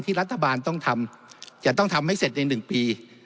รัฐบาลต้องทำจะต้องทำให้เสร็จใน๑ปี